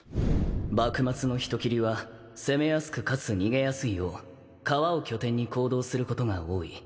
幕末の人斬りは攻めやすくかつ逃げやすいよう川を拠点に行動することが多い